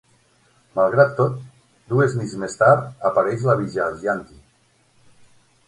Malgrat tot, dues nits més tard apareix la Vyjayanti.